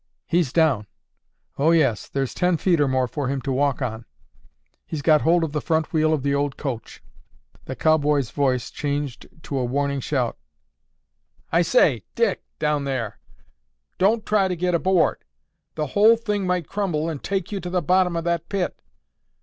"He's down! Oh, yes, there's ten feet or more for him to walk on. He's got hold of the front wheel of the old coach." The cowboy's voice changed to a warning shout, "I say, Dick, down there! Don't try to get aboard! The whole thing might crumble and take you to the bottom of that pit."